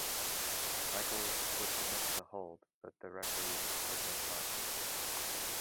Michaels would submit to the hold, but the referee would still be unconscious.